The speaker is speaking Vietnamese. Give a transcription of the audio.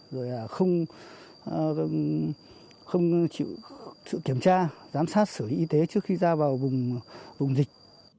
rồi không chịu sự kiểm tra giám sát xử lý y tế trước khi ra vào vùng dịch